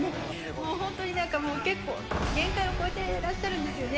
もう本当に、結構、限界を超えてらっしゃるんですよね。